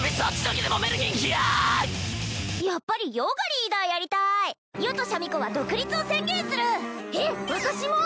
やっぱり余がリーダーやりたい余とシャミ子は独立を宣言するえっ私も！？